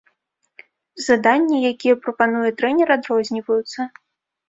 Заданні, якія прапануе трэнер, адрозніваюцца.